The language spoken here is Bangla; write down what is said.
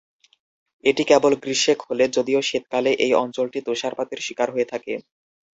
এটি কেবল গ্রীষ্মে খোলে, যদিও শীতকালে এই অঞ্চলটি তুষারপাতের শিকার হয়ে থাকে।